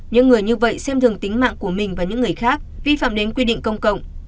những người như vậy xem thường tính mạng của mình và những người khác vi phạm đến quy định công cộng